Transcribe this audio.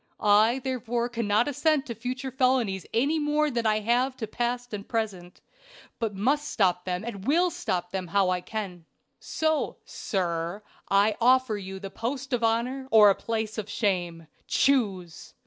I therefore cannot assent to future felonies any more than I have to past and present, but must stop them, and will stop them how I can. "So, sir, I offer you the post of honor or a place of shame. Choose!